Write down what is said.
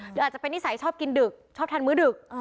หรืออาจจะเป็นนิสัยชอบกินดึกชอบทานมื้อดึก